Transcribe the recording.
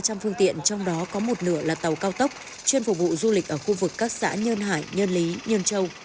trên phương tiện trong đó có một nửa là tàu cao tốc chuyên phục vụ du lịch ở khu vực các xã nhơn hải nhơn lý nhơn châu